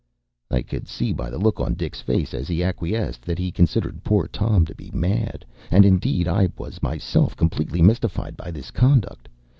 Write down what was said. ” I could see by the look on Dick’s face as he acquiesced that he considered poor Tom to be mad; and indeed I was myself completely mystified by his conduct.